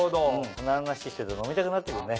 こんな話してると飲みたくなってくるね。